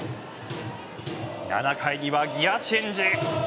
７回にはギアチェンジ。